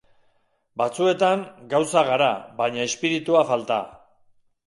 Batzuetan, gauza gara, baina espiritua falta.